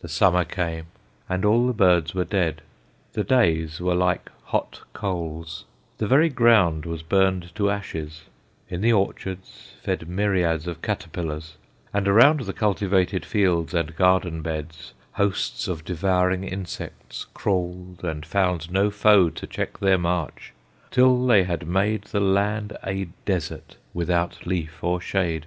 The Summer came, and all the birds were dead; The days were like hot coals; the very ground Was burned to ashes; in the orchards fed Myriads of caterpillars, and around The cultivated fields and garden beds Hosts of devouring insects crawled, and found No foe to check their march, till they had made The land a desert without leaf or shade.